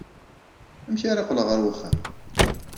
Amek ara qqleɣ ɣer uxxam?